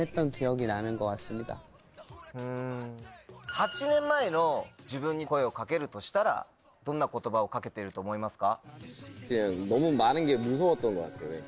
８年前の自分に声を掛けるとしたらどんな言葉を掛けてると思いますか？